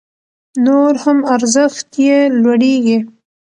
نور هم ارزښت يې لوړيږي